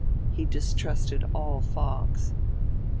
He distrusted all fogs.